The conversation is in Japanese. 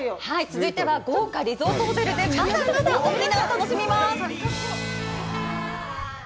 続いては豪華リゾートホテルでまだまだ沖縄を楽しみます